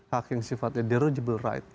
hak yang sifatnya derogable right